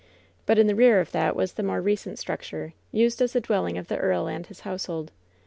But in the rear of that was the more recent structure, used as the dwelling of the earl and his household.